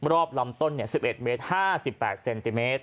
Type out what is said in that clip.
รอบลำต้นเนี่ย๑๑เมตร๕๘เซนติเมตร